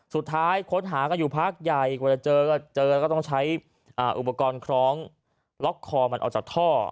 สุดท้ายค้นหากันอยู่พักใหญ่กว่าจะเจอก็เจอก็ต้องใช้อุปกรณ์คล้องล็อกคอมันออกจากท่อ